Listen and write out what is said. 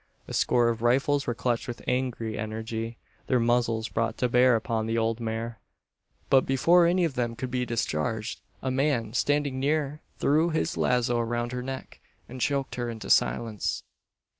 A score of rifles were clutched with angry energy, their muzzles brought to bear upon the old mare. But before any of them could be discharged, a man standing near threw his lazo around her neck, and choked her into silence.